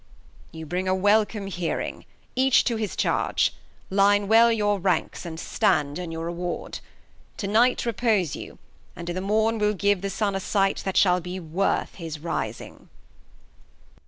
Bast. You bring a welcome Hearing; each to his Charge. Line well your Ranks, and stand on your Award, To Night repose you, i'th' Morn we'll give The Sun a Sight that shaU be worth his rising.